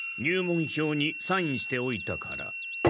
入門票にサインしておいたから。